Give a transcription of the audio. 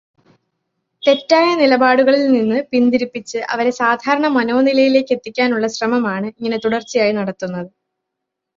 തെറ്റായ നിലപാടുകളിൽ നിന്ന് പിന്തിരിപ്പിച്ചു അവരെ സാധാരണ മനോനിലയിലെത്തിക്കാനുള്ള ശ്രമമാണ് ഇങ്ങനെ തുടർച്ചയായി നടത്തുന്നത്.